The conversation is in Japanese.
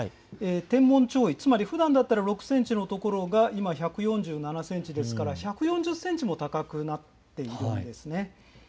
天文潮位、つまりふだんだったら６センチの所が１４７センチですから、１４０センチも高くなっているんですね。